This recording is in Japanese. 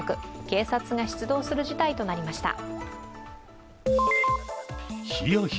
警察が出動する事態となりました。